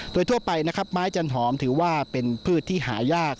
โดยทั่วไปนะครับไม้จันหอมถือว่าเป็นพืชที่หายาก